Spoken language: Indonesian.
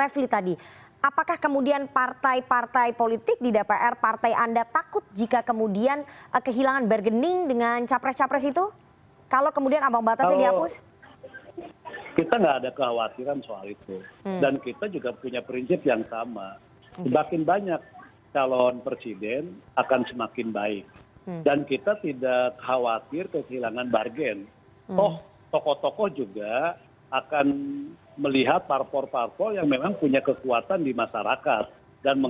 waktu itu cukup signifikan